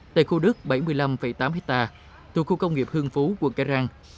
tại khu đức bảy mươi năm tám hectare từ khu công nghiệp hương phú quận cải răng